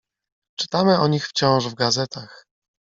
"Czytamy o nich wciąż w gazetach."